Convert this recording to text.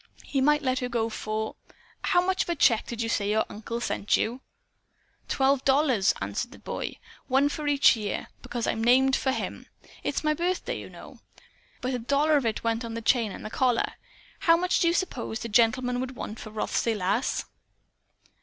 He might let her go for How much of a check did you say your uncle sent you?" "Twelve dollars," answered the boy, "one for each year. Because I'm named for him. It's my birthday, you know. But but a dollar of it went for the chain and the collar. How much do you suppose the gentleman would want for Rothsay Lass?"